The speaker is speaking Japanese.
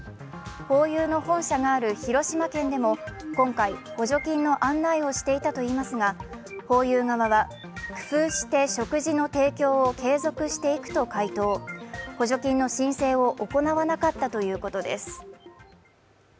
ホーユーの本社がある広島県でも今回補助金の案内をしていたといいますがホーユー側は工夫して食事の提供を継続していくと回答補助金の申請を行わなかったということです。